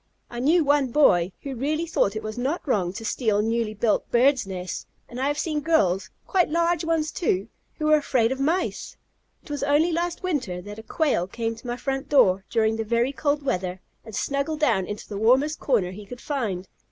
I knew one boy who really thought it was not wrong to steal newly built birds' nests, and I have seen girls quite large ones, too who were afraid of Mice! It was only last winter that a Quail came to my front door, during the very cold weather, and snuggled down into the warmest corner he could find.